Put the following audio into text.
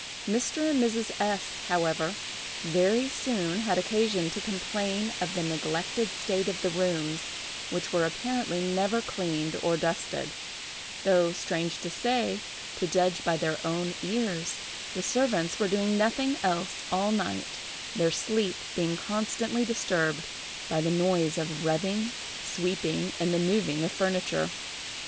Mr. and Mrs. S——, however, very soon had occasion to complain of the neglected state of the rooms, which were apparently never cleaned or dusted; though, strange to say, to judge by their own ears, the servants were doing nothing else all night, their sleep being constantly disturbed by the noise of rubbing, sweeping, and the moving of furniture.